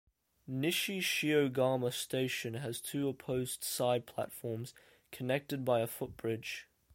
Nishi-Shiogama Station has two opposed side platforms connected by a footbridge.